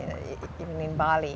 bahkan di bali